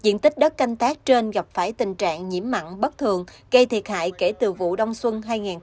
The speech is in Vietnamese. diện tích đất canh tác trên gặp phải tình trạng nhiễm mặn bất thường gây thiệt hại kể từ vụ đông xuân hai nghìn một mươi hai nghìn hai mươi ba